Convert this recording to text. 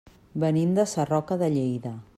Venim de Sarroca de Lleida.